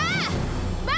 terima kasih pak